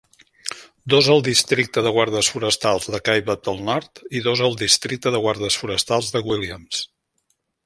Dos al districte de guardes forestals de Kaibab del nord i dos al districte de guardes forestals de Williams.